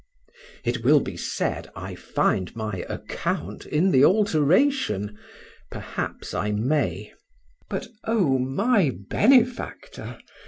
It will be said, I find my account in the alteration; perhaps I may; but oh, my benefactor!